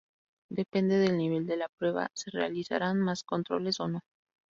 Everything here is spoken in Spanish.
Depende del nivel de la prueba se realizarán más controles o no.